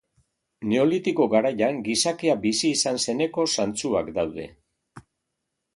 Neolitiko garaian gizakia bizi izan zeneko zantzuak daude.